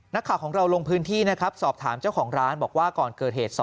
นักข่าวของเราลงพื้นที่นะครับสอบถามเจ้าของร้านบอกว่าก่อนเกิดเหตุ